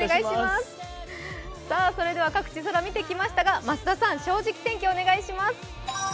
それでは各地、空を見てきましたが増田さん、「正直天気」をお願いします。